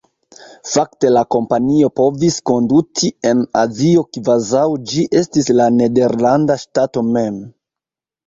Fakte la kompanio povis konduti en Azio kvazaŭ ĝi estis la nederlanda ŝtato mem.